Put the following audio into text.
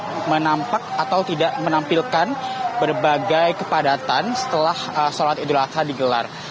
untuk menampak atau tidak menampilkan berbagai kepadatan setelah sholat idul adha digelar